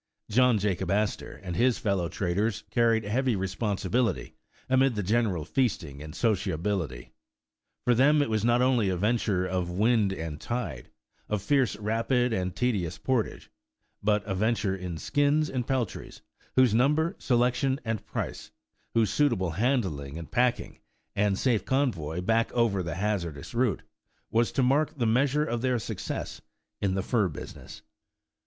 John Jacob Astor and his fellow traders carried heavy responsi bility amid the general feasting and sociability. For them it was not only a venture of wind and tide, of fierce rapid and tedious portage, but a venture in skins and peltries, whose number, selection and price, whose suitable handling and packing, and safe convoy back over the hazardous route, was to mark the measure of their success in the fur business.